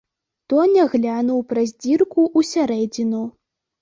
Тоня глянуў праз дзірку ў сярэдзіну.